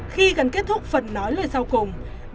khi gần kết thúc phần nói lời sau của bà bà trương mỹ lan nói